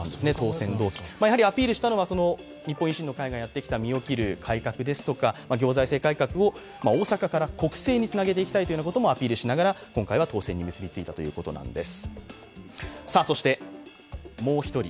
アピールしたのは日本維新の会がやってきた身を切る改革ですとか行財政改革を大阪から国政につなげていきたいということもアピールしながら今回は当選に結びついたということなんです。